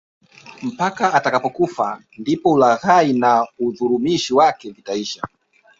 Mpaka atakapokufa ndipo ulaghai na udhulumishi wake vitaisha